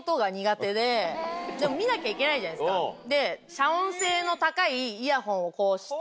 遮音性の高いイヤホンをして。